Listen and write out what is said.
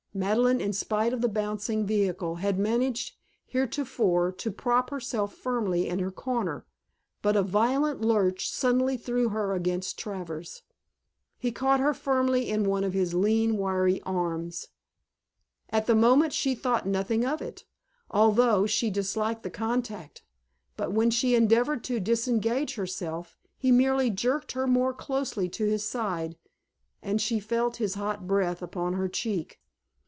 Madeleine, in spite of the bouncing vehicle, had managed heretofore to prop herself firmly in her corner, but a violent lurch suddenly threw her against Travers. He caught her firmly in one of his lean wiry arms. At the moment she thought nothing of it, although she disliked the contact, but when she endeavored to disengage herself, he merely jerked her more closely to his side and she felt his hot breath upon her cheek.